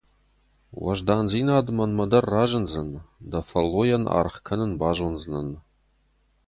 Уӕздандзинад мӕнмӕ дӕр разындзӕн, дӕ фӕллойӕн аргъ кӕнын базондзынӕн.